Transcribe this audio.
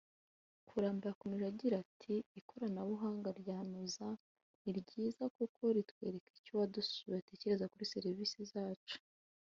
Kulamba yakomeje agira ati “Ikoranabuhanga rya Noza ni ryiza kuko ritwereka icyo uwadusuye atekereza kuri serivisi zacu